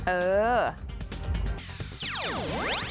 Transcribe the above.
เออ